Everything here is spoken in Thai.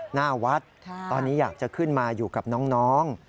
หน้าวัดตอนนี้อยากจะขึ้นมาอยู่กับน้อง